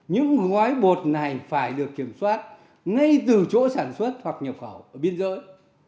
những gói bột này phải được kiểm soát ngay từ chỗ sản xuất hoặc nhập khẩu ở biên giới